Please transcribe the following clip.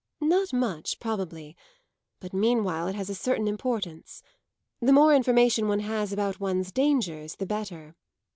"Not much, probably. But meanwhile it has a certain importance. The more information one has about one's dangers the better."